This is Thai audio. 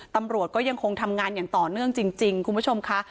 ตำรวจก็ยังคงทำงานอย่างต่อเนื่องจริงคุณผู้ชมค่ะ